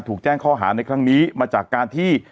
ถูกแจ้งข้อหาในครั้งนี้มาจากการที่